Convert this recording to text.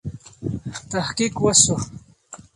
تحقیق وسو.